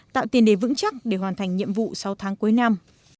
tạo tiền đề vững chắc để hoàn thành nhiệm vụ sáu tháng cuối năm